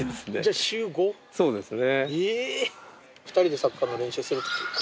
うんそうですね。